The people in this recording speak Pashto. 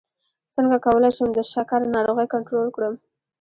څنګه کولی شم د شکر ناروغي کنټرول کړم